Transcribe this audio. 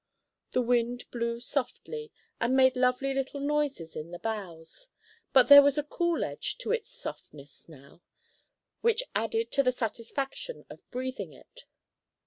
The wind blew softly and made lovely little noises in the boughs, but there was a cool edge to its softness now which added to the satisfaction of breathing it.